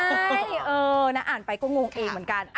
ใช่เออนะอ่านไปก็งงเองเหมือนกัน